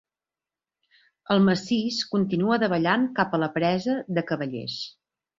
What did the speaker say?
El massís continua davallant cap a la Presa de Cavallers.